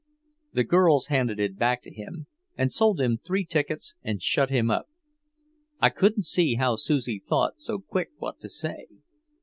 The girls handed it back to him, and sold him three tickets and shut him up. I couldn't see how Susie thought so quick what to say.